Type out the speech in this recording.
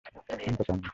আমি তা চাই নি।